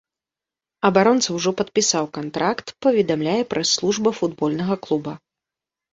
Абаронца ўжо падпісаў кантракт, паведамляе прэс-служба футбольнага клуба.